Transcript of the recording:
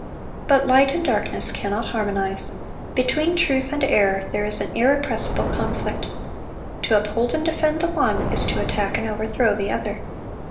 But light and darkness cannot harmonize. Between truth and error there is an irrepressible conflict. To uphold and defend the one is to attack and overthrow the other.